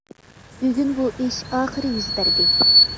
بۈگۈن بۇ ئىش ئاخىرى يۈز بەردى.